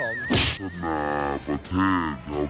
พัฒนาประเทศครับผม